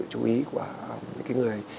chú ý của những cái người